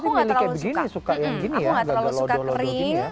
aku gak terlalu suka kering